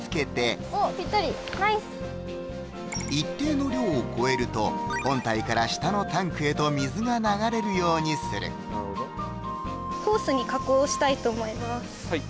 一定の量を超えると本体から下のタンクへと水が流れるようにすると思います